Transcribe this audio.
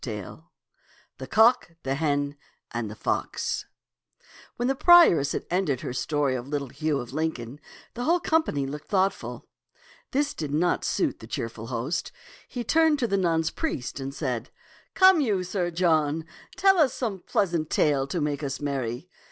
V THE COCK, THE HEN, AND THE FOX (Xim'B ^x'mi WHEN the prioress had ended her story of little Hugh of Lincoln, the whole com pany looked thoughtful. This did not suit the cheerful host. He turned to the nun's priest and said, " Come, you Sir John, tell us some pleasant tale to make us merry."